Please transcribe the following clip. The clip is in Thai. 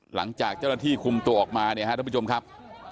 หลังจากเจ้าหน้าที่คุมตัวออกมาเนี่ยฮะท่านผู้ชมครับ